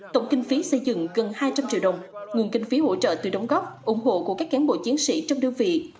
tổng kinh phí xây dựng gần hai trăm linh triệu đồng nguồn kinh phí hỗ trợ từ đóng góp ủng hộ của các cán bộ chiến sĩ trong đơn vị